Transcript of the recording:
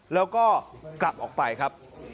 แล้วก็กลับออกไปครับ